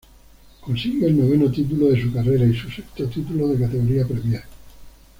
Consigue el noveno título de su carrera y su sexto título de categoría Premier.